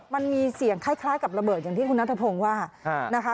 มันมีเสียงคล้ายกับระเบิดอย่างที่คุณนัทพงศ์ว่านะคะ